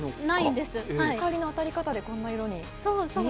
光の当たり方でこんな色に？